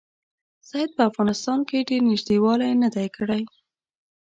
سید په افغانستان کې ډېر نیژدې والی نه دی کړی.